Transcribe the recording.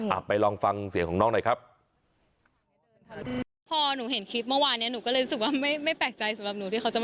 ไปลองฟังเสียงของน้องหน่อยครับ